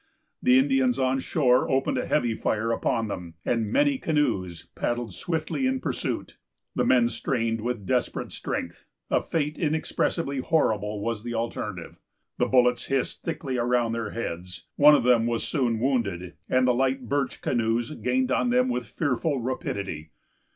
The Indians on shore opened a heavy fire upon them, and many canoes paddled swiftly in pursuit. The men strained with desperate strength. A fate inexpressibly horrible was the alternative. The bullets hissed thickly around their heads; one of them was soon wounded, and the light birch canoes gained on them with fearful rapidity.